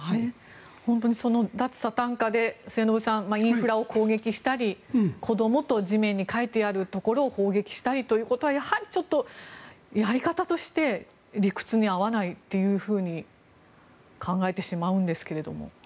本当にその脱サタン化で末延さんインフラを攻撃したり子供と地面に書いてあるところを砲撃したりというのはやはりちょっとやり方として理屈に合わないというふうに考えてしまうんですけども。